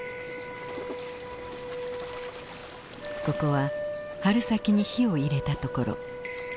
ここは春先に火を入れたところ。